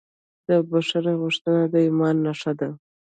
د بښنې غوښتنه د ایمان نښه ده.